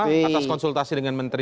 atas konsultasi dengan mendagri